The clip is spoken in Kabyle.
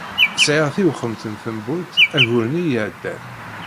Sεiɣ tiwxemt n tembult ayyur-nni iεeddan.